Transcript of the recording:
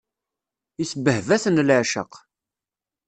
Isbehba-ten leɛceq.